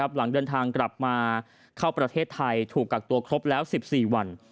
หลังเดินทางกลับมาเข้าประเทศไทยถูกกักตัวครบแล้ว๑๔วัน